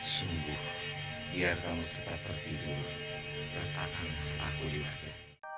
sungguh biar kamu cepat tertidur dan takkan aku lihatnya